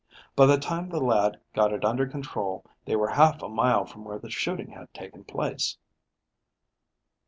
By the time the lad got it under control they were half a mile from where the shooting had taken place.